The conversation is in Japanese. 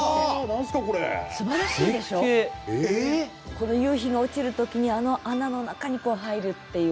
この夕日が落ちるときにあの穴の中に入るっていう。